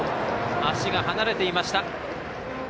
足が離れていました。